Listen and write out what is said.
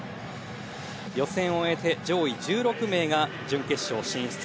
予選を終えて上位１６名が準決勝進出。